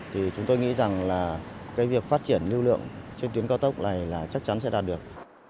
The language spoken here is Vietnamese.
thì chúng tôi nghĩ rằng là cái việc phát triển lưu lượng trên tuyến cao tốc này là chắc chắn sẽ đạt được